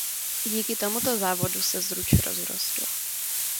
Díky tomuto závodu se Zruč rozrostla.